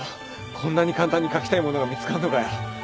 こんなに簡単に書きたいものが見つかんのかよ。